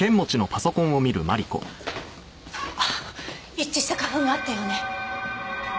一致した花粉があったようね。